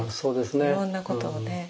いろんなことをね